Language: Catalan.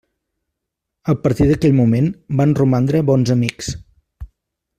A partir d'aquell moment van romandre bons amics.